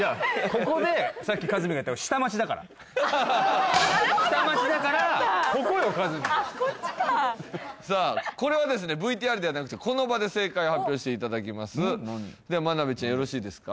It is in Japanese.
ここでさっきかずみんが言ったのなるほどこっちなんだ下町だからここよかずみんあっこっちかさあこれはですねＶＴＲではなくてこの場で正解を発表していただきますでは間鍋ちゃんよろしいですか？